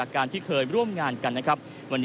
ครับ